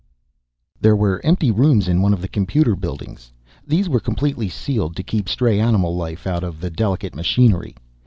X. There were empty rooms in one of the computer buildings. These were completely sealed to keep stray animal life out of the delicate machinery.